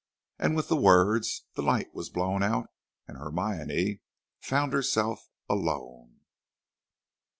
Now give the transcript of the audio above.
And with the words the light was blown out, and Hermione found herself alone.